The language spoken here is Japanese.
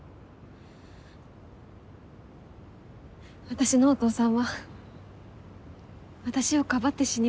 私のお父さんは私をかばって死にました。